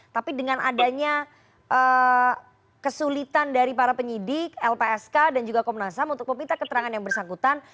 tapi dengan adanya kesulitan dari para penyidik lpsk dan juga komnas ham untuk meminta keterangan yang bersangkutan